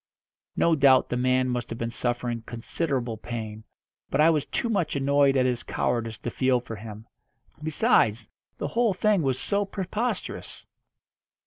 No doubt the man must have been suffering considerable pain, but I was too much annoyed at his cowardice to feel for him. Besides, the whole thing was so preposterous.